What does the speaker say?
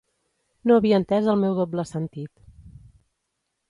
No havia entés el meu doble sentit.